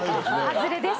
外れです。